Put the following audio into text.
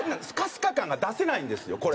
スカスカ感が出せないんですよ